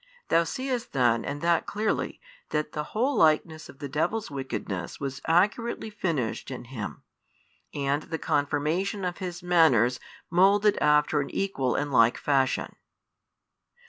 Thou seest then and that clearly that the whole likeness of the devil's wickedness was accurately finished in him, and the conformation of his manners moulded after an equal and like fashion.